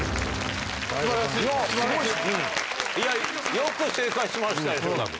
よく正解しました城田君。